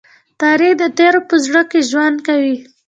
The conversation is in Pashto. تاریخ د تېرو په زړه کې ژوند کوي.